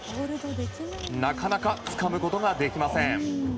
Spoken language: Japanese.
なかなかつかむことができません。